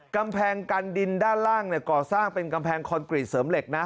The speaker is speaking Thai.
กำแพงกันดินด้านล่างก่อสร้างเป็นกำแพงคอนกรีตเสริมเหล็กนะ